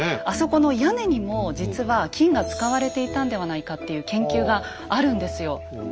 あそこの屋根にも実は金が使われていたんではないかっていう研究があるんですよ。